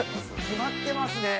決まってますね！